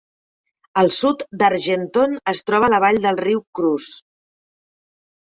Al sud d'Argenton es troba la vall del riu Creuse.